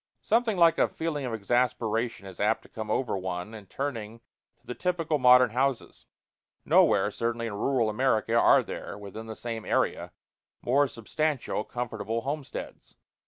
Something like a feeling of exasperation is apt to come over one in turning to the typical modern houses. Nowhere, certainly, in rural America, are there, within the same area, more substantial, comfortable homesteads.